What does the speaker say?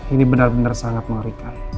ini benar benar sangat mengerikan